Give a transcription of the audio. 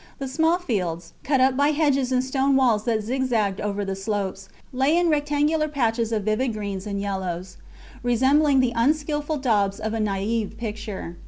The small fields, cut up by hedges and stone walls that zig zagged over the slopes, lay in rectangular patches of vivid greens and yellows, resembling the unskilful daubs of a naive picture.